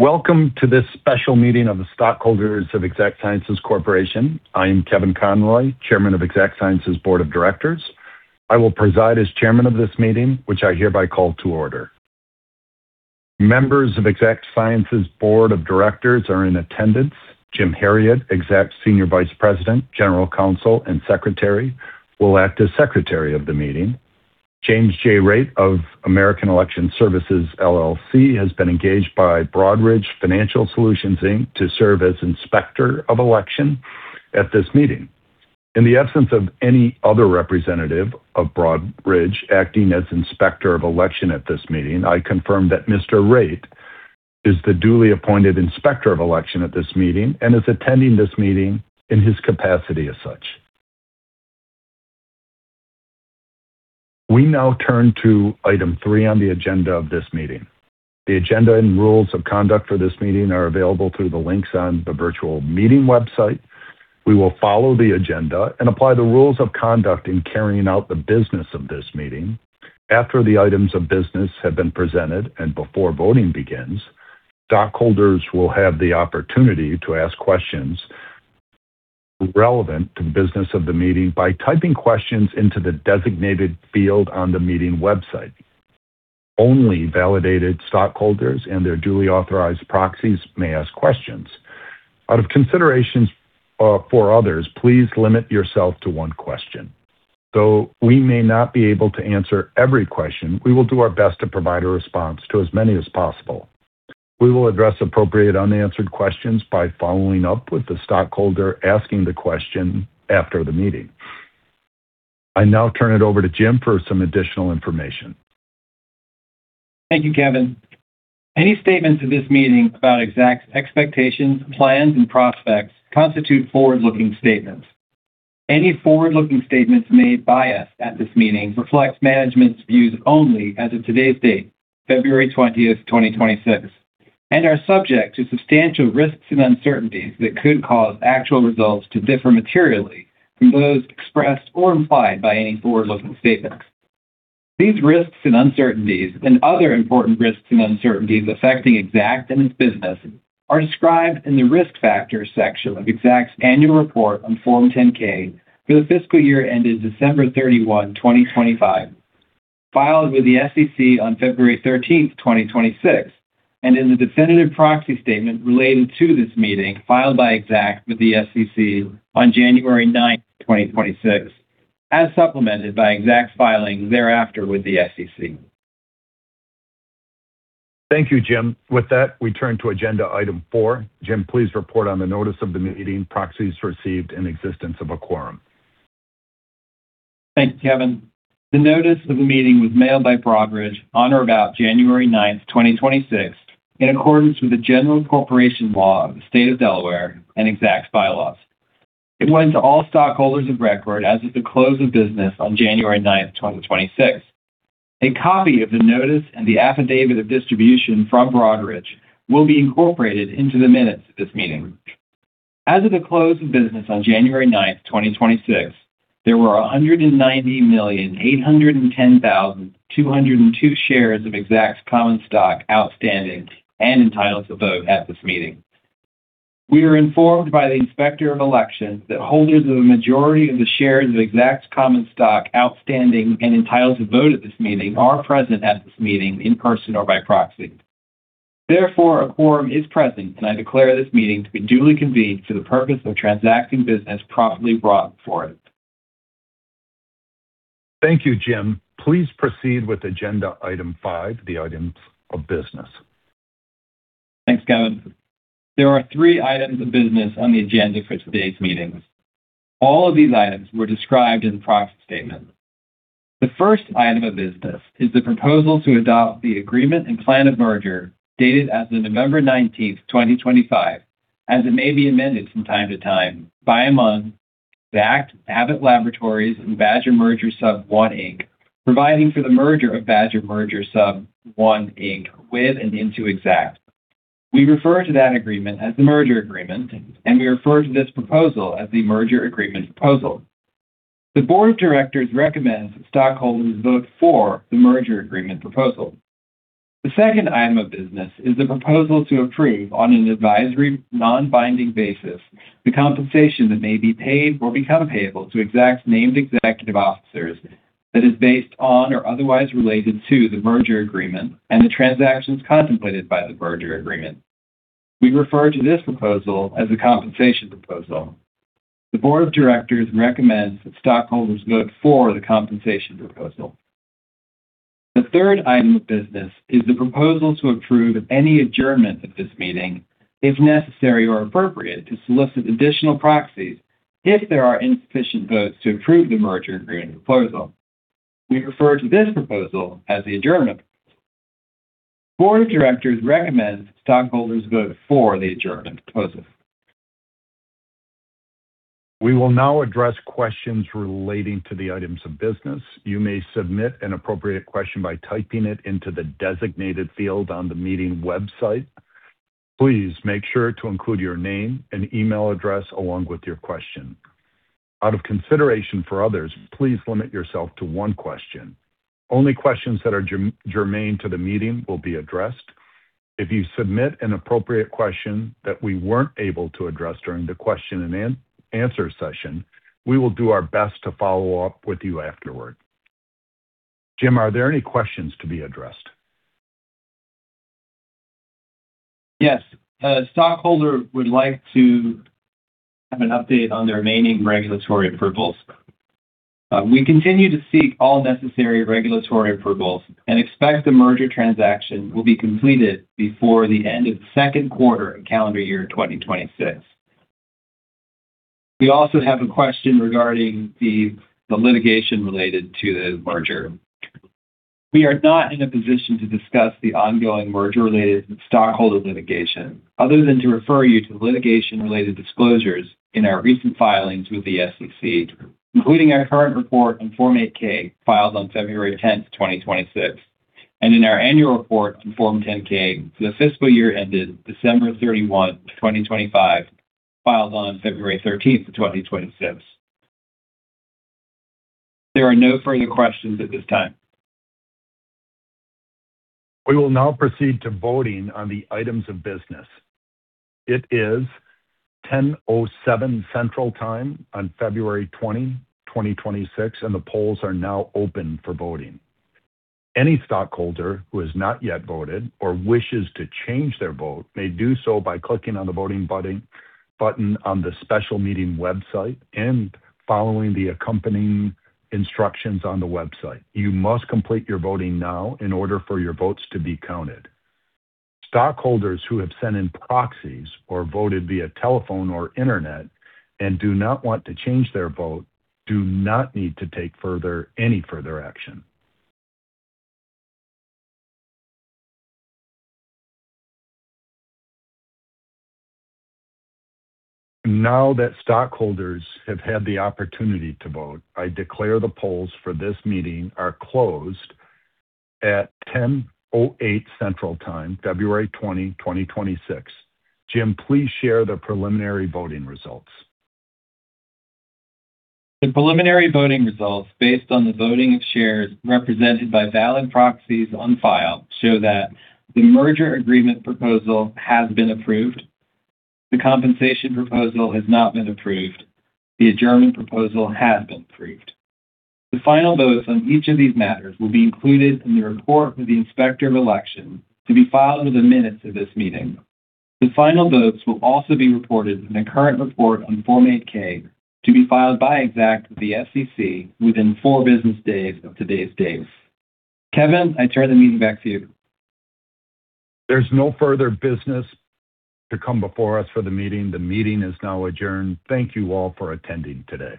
Welcome to this Special Meeting of the Stockholders of Exact Sciences Corporation. I am Kevin Conroy, Chairman of Exact Sciences Board of Directors. I will preside as Chairman of this meeting, which I hereby call to order. Members of Exact Sciences Board of Directors are in attendance. James Herriott, Exact Sciences Senior Vice President, General Counsel, and Secretary, will act as secretary of the meeting. James J. Raitt of American Election Services, LLC, has been engaged by Broadridge Financial Solutions, Inc. to serve as Inspector of Election at this meeting. In the absence of any other representative of Broadridge acting as inspector of election at this meeting, I confirm that Mr. Raitt is the duly appointed inspector of election at this meeting and is attending this meeting in his capacity as such. We now turn to Item 3 on the agenda of this meeting. The agenda and rules of conduct for this meeting are available through the links on the virtual meeting website. We will follow the agenda and apply the rules of conduct in carrying out the business of this meeting. After the items of business have been presented and before voting begins, stockholders will have the opportunity to ask questions relevant to the business of the meeting by typing questions into the designated field on the meeting website. Only validated stockholders and their duly authorized proxies may ask questions. Out of consideration, for others, please limit yourself to one question. Though we may not be able to answer every question, we will do our best to provide a response to as many as possible. We will address appropriate unanswered questions by following up with the stockholder asking the question after the meeting. I now turn it over to Jim for some additional information. Thank you, Kevin. Any statements at this meeting about Exact's expectations, plans, and prospects constitute forward-looking statements. Any forward-looking statements made by us at this meeting reflects management's views only as of today's date, February 20th, 2026, and are subject to substantial risks and uncertainties that could cause actual results to differ materially from those expressed or implied by any forward-looking statements. These risks and uncertainties and other important risks and uncertainties affecting Exact and its business are described in the Risk Factors section of Exact's Annual Report on Form 10-K for the fiscal year ended December 31, 2025, filed with the SEC on February 13, 2026, and in the definitive proxy statement relating to this meeting, filed by Exact with the SEC on January 9, 2026, as supplemented by Exact's filing thereafter with the SEC. Thank you, Jim. With that, we turn to agenda Item 4. Jim, please report on the notice of the meeting, proxies received, and existence of a quorum. Thanks, Kevin. The notice of the meeting was mailed by Broadridge on or about January 9th, 2026, in accordance with the General Corporation Law of the State of Delaware and Exact's bylaws. It went to all stockholders of record as of the close of business on January 9th, 2026. A copy of the notice and the affidavit of distribution from Broadridge will be incorporated into the minutes of this meeting. As of the close of business on January 9th, 2026, there were 190,810,202 shares of Exact's common stock outstanding and entitled to vote at this meeting. We are informed by the Inspector of Election that holders of a majority of the shares of Exact's common stock outstanding and entitled to vote at this meeting are present at this meeting in person or by proxy. Therefore, a quorum is present, and I declare this meeting to be duly convened for the purpose of transacting business properly brought before it. Thank you, Jim. Please proceed with agenda Item 5, the items of business. Thanks, Kevin. There are three items of business on the agenda for today's meeting. All of these items were described in the proxy statement. The first item of business is the proposal to adopt the agreement and plan of merger, dated as of November 19th, 2025, as it may be amended from time to time, by and among Exact, Abbott Laboratories, and Badger Merger Sub I Inc., providing for the merger of Badger Merger Sub I Inc. with and into Exact. We refer to that agreement as the merger agreement, and we refer to this proposal as the merger agreement proposal. The Board of Directors recommends that stockholders vote for the merger agreement proposal. The second item of business is the proposal to approve, on an advisory, non-binding basis, the compensation that may be paid or become payable to Exact's named executive officers that is based on or otherwise related to the merger agreement and the transactions contemplated by the merger agreement. We refer to this proposal as the compensation proposal. The Board of Directors recommends that stockholders vote for the compensation proposal. The third item of business is the proposal to approve any adjournment of this meeting, if necessary or appropriate, to solicit additional proxies if there are insufficient votes to approve the merger agreement proposal. We refer to this proposal as the adjournment. The Board of Directors recommends that stockholders vote for the adjournment proposal. We will now address questions relating to the items of business. You may submit an appropriate question by typing it into the designated field on the meeting website. Please make sure to include your name and email address along with your question. Out of consideration for others, please limit yourself to one question. Only questions that are germane to the meeting will be addressed. If you submit an appropriate question that we weren't able to address during the question and answer session, we will do our best to follow up with you afterward. Jim, are there any questions to be addressed? Yes. A stockholder would like to have an update on the remaining regulatory approvals. We continue to seek all necessary regulatory approvals and expect the merger transaction will be completed before the end of the second quarter of calendar year 2026. We also have a question regarding the litigation related to the merger. We are not in a position to discuss the ongoing merger-related stockholder litigation, other than to refer you to the litigation-related disclosures in our recent filings with the SEC, including our current report on Form 8-K, filed on February 10, 2026, and in our annual report on Form 10-K for the fiscal year ended December 31, 2025, filed on February 13, 2026. There are no further questions at this time. We will now proceed to voting on the items of business. It is 10:07 Central Time on February 20, 2026, and the polls are now open for voting. Any stockholder who has not yet voted or wishes to change their vote may do so by clicking on the voting button, button on the special meeting website and following the accompanying instructions on the website. You must complete your voting now in order for your votes to be counted. Stockholders who have sent in proxies or voted via telephone or internet and do not want to change their vote, do not need to take further, any further action. Now that stockholders have had the opportunity to vote, I declare the polls for this meeting are closed at 10:08 Central Time, February 20, 2026. Jim, please share the preliminary voting results. The preliminary voting results, based on the voting of shares represented by valid proxies on file, show that the merger agreement proposal has been approved. The compensation proposal has not been approved. The adjournment proposal has been approved. The final votes on each of these matters will be included in the report of the Inspector of Election to be filed with the minutes of this meeting. The final votes will also be reported in a current report on Form 8-K, to be filed by Exact with the SEC within four business days of today's date. Kevin, I turn the meeting back to you. There's no further business to come before us for the meeting. The meeting is now adjourned. Thank you all for attending today.